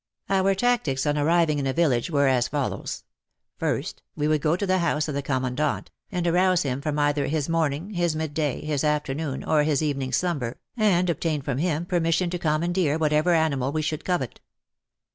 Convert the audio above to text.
Our tactics on arriving in a village were as follows. First we would go to the house of the Commandant, and arouse him from either his morning, his midday, his afternoon, or his evening slumber, and obtain from him per mission to commandeer whatever animal we should covet.